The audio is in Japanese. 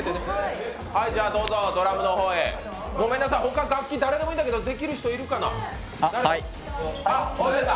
ごめんなさい、他、楽器、誰でもいいんだけど、できる人いるかな？